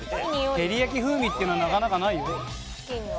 照り焼き風味っていうのはなかなかないよ。